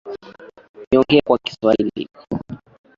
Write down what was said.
Niongee kwa Kiswahili .